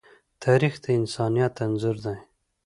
تاریخ د انسانیت انځور دی.